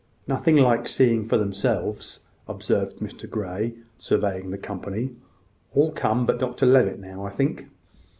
"Nothing like seeing for themselves," observed Mr Grey, surveying the company. "All come but Dr Levitt now, I think.